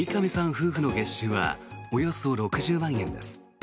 夫婦の月収はおよそ６０万円です。